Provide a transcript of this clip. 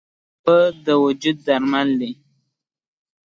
اوبه د وجود درمل دي.